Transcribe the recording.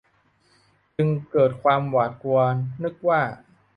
จึงเกิดความหวาดกลัวนึกว่า